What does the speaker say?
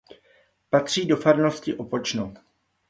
Patří do farnosti Opočno.